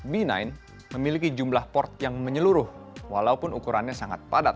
b sembilan memiliki jumlah port yang menyeluruh walaupun ukurannya sangat padat